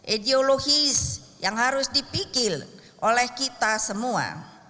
ideologis yang harus dipikir oleh kita semua